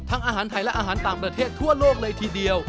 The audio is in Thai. อาหารไทยและอาหารต่างประเทศทั่วโลกเลยทีเดียว